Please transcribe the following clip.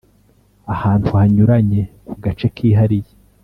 ahantu hanyuranye ku gace kihariye